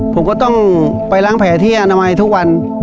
ผมก็ต้องไปล้างแผลที่อนามัยทุกวัน